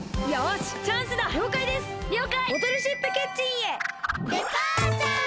よしチャンスだ！